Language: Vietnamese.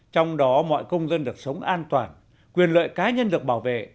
trong đó mọi công dân được sống an toàn quyền lợi cá nhân được bảo vệ